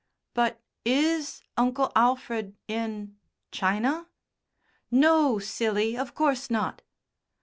"But is Uncle Alfred in China?" "No, silly, of course not."